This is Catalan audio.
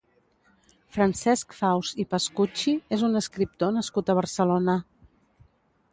Francesc Faus i Pascuchi és un escriptor nascut a Barcelona.